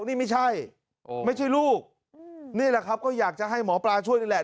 นี่ไม่ใช่ไม่ใช่ลูกนี่แหละครับก็อยากจะให้หมอปลาช่วยนี่แหละ